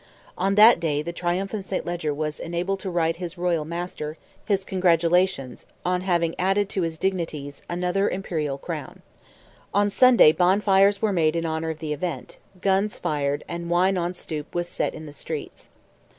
On that day the triumphant St. Leger was enabled to write his royal master his congratulations on having added to his dignities "another imperial crown." On Sunday bonfires were made in honour of the event, guns fired, and wine on stoop was set in the streets.